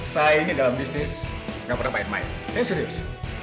saya ini dalam bisnis gak pernah main main saya serius